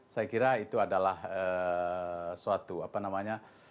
saya kira itu adalah suatu apa namanya